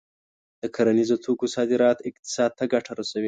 د کرنیزو توکو صادرات اقتصاد ته ګټه رسوي.